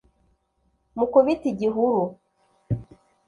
mukubite igihuru